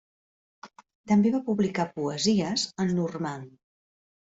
També va publicar poesies en normand.